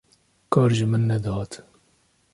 kar ji min nedihat